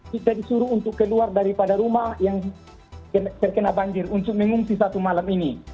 kita disuruh untuk keluar daripada rumah yang terkena banjir untuk mengungsi satu malam ini